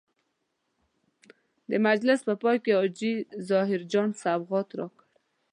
د مجلس په پای کې حاجي ظاهر جان سوغات راکړ.